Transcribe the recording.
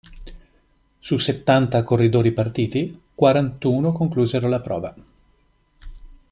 Su settanta corridori partiti, quarantuno conclusero la prova.